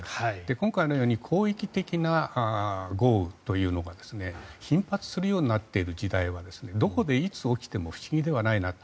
今回のように広域的な豪雨というのが頻発するようになっている時代はどこでいつ起きても不思議ではないなと。